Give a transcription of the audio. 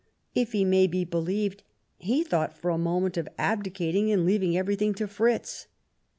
If he 162 The German Empire may be believed, he thought for a moment of abdicating and "leaving everything to Fritz."